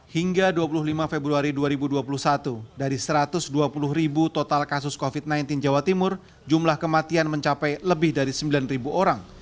hingga dua puluh lima februari dua ribu dua puluh satu dari satu ratus dua puluh ribu total kasus covid sembilan belas jawa timur jumlah kematian mencapai lebih dari sembilan orang